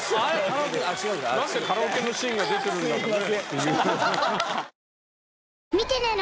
何でカラオケのシーンが出てるんだかね。